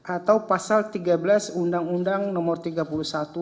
atau pasal tiga belas undang undang nomor tiga puluh satu